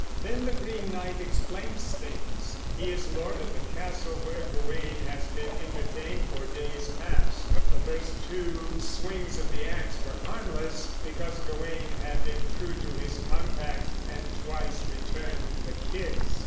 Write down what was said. Then the Green Knight explains things. He is lord of the castle where Gawain has been entertained for days past. The first two swings of the ax were harmless because Gawain had been true to his compact and twice returned the kiss.